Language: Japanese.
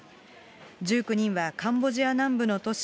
１９人はカンボジア南部の都市